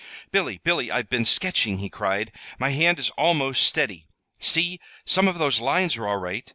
"Billy, Billy, I've been sketching," he cried. "My hand is almost steady. See, some of those lines are all right!